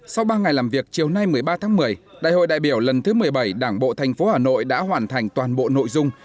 sau ba ngày làm việc chiều nay một mươi ba tháng một mươi đại hội đại biểu lần thứ một mươi bảy đảng bộ thành phố hà nội đã hoàn thành toàn bộ nội dung